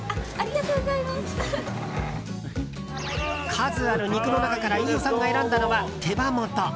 数ある肉の中から飯尾さんが選んだのは手羽元。